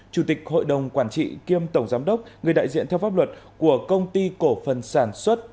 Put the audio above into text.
chủ tịch hội đồng quản trị kiêm tổng giám đốc người đại diện theo pháp luật của công ty cổ phần sản xuất